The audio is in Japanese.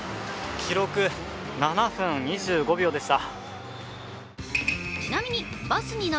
記録、７分２５秒でした。